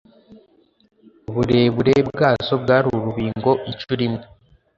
uburebure bwazo bwari urubingo incuro imwe